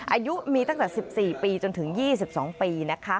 อายุมีตั้งแต่๑๔ปีจนถึง๒๒ปีนะคะ